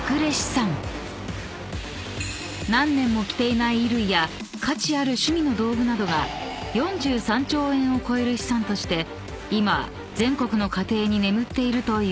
［何年も着ていない衣類や価値ある趣味の道具などが４３兆円を超える資産として今全国の家庭に眠っているというのです］